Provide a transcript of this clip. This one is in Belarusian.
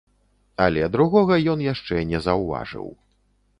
Але другога ён яшчэ не заўважыў.